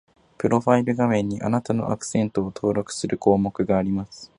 プロファイル画面に、あなたのアクセントを登録する項目があります